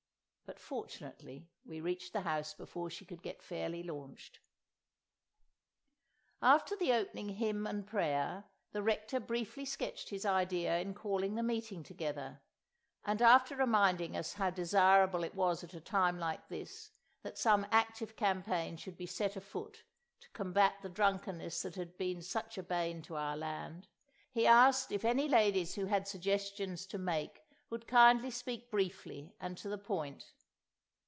But fortunately we reached the house before she could get fairly launched. After the opening hymn and prayer, the Rector briefly sketched his idea in calling the meeting together, and, after reminding us how desirable it was at a time like this that some active campaign should be set afoot to combat the drunkenness that had been such a bane to our land, he asked if any ladies who had suggestions to make would kindly speak briefly and to the point.